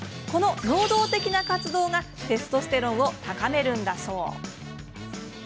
この能動的な活動がテストステロンを高めるんだそう。